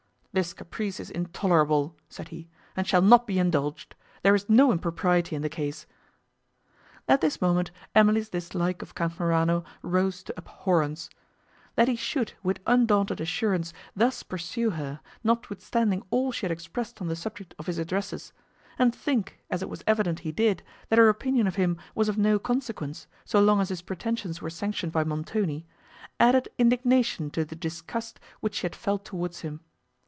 "This caprice is intolerable," said he, "and shall not be indulged: there is no impropriety in the case." At this moment, Emily's dislike of Count Morano rose to abhorrence. That he should, with undaunted assurance, thus pursue her, notwithstanding all she had expressed on the subject of his addresses, and think, as it was evident he did, that her opinion of him was of no consequence, so long as his pretensions were sanctioned by Montoni, added indignation to the disgust which she had felt towards him.